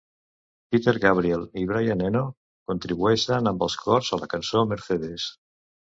Peter Gabriel i Brian Eno contribueixen amb els cors a la cançó Mercedes.